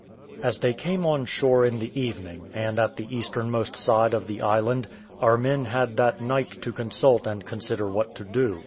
As they came on shore in the evening, and at the easternmost side of the island, our men had that night to consult and consider what to do.